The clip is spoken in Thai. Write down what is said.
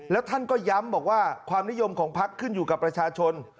แล้วท่านก็ย้ำบอกว่าความนิยมของพักขึ้นอยู่กับประชาชน